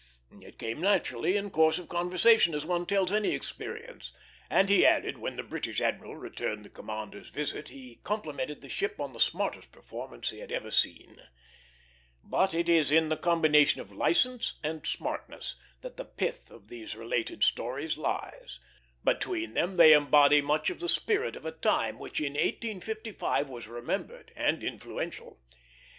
It came naturally in course of conversation, as one tells any experience; and he added, when the British admiral returned the commander's visit he complimented the ship on the smartest performance he had ever seen. But it is in the combination of license and smartness that the pith of these related stories lies; between them they embody much of the spirit of a time which in 1855 was remembered and influential.